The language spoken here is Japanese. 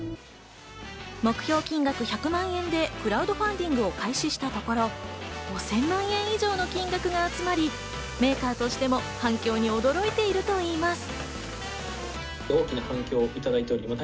目標金額１００万円でクラウドファンディングを開始したところ、５０００万以上の金額が集まり、メーカーとしても反響に驚いているといいます。